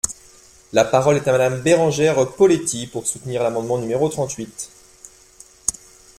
La parole est à Madame Bérengère Poletti, pour soutenir l’amendement numéro trente-huit.